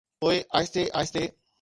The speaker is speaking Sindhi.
پوءِ آهستي آهستي.